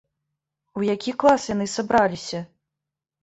У які клас яны сабраліся?